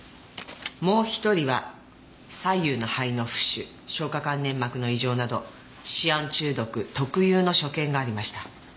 もう１人は左右の肺の浮腫消化管粘膜の異常などシアン中毒特有の所見がありました。